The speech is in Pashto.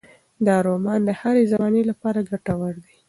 دا رومان د هرې زمانې لپاره ګټور دی.